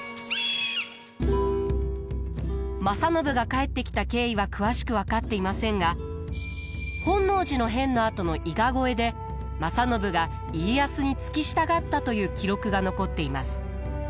正信が帰ってきた経緯は詳しく分かっていませんが本能寺の変のあとの伊賀越えで正信が家康に付き従ったという記録が残っています。